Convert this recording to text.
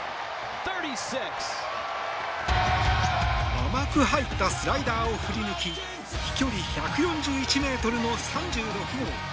甘く入ったスライダーを振り抜き飛距離１４１ｍの３６号。